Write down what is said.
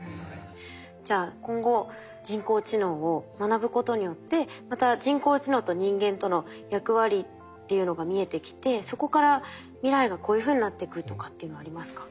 じゃあ今後人工知能を学ぶことによってまた人工知能と人間との役割っていうのが見えてきてそこから未来がこういうふうになってくとかっていうのありますか？